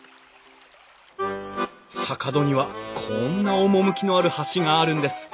坂戸にはこんな趣のある橋があるんです。